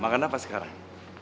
makan apa sekarang